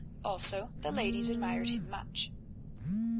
Also the ladies admired him much.